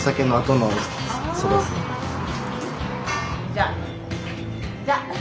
じゃあ！じゃあ！